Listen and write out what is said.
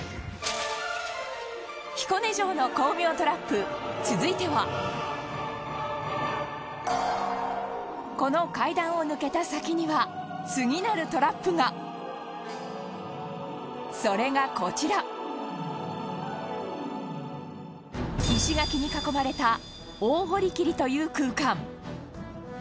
彦根城の巧妙トラップ続いてはこの階段を抜けた先には次なるトラップがそれが、こちら石垣に囲まれた大堀切という空間